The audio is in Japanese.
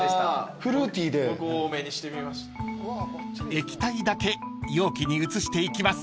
［液体だけ容器に移していきます］